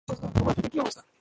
তোমার চোখের কী অবস্থা?